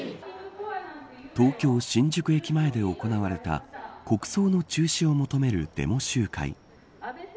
東京、新宿駅前で行われた国葬の中止を求めるデモ集会。